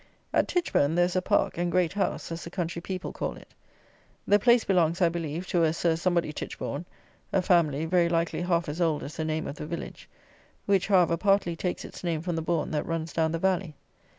At Titchbourn, there is a park, and "great house," as the country people call it. The place belongs, I believe, to a Sir somebody Titchbourne, a family, very likely half as old as the name of the village, which, however, partly takes its name from the bourn that runs down the valley.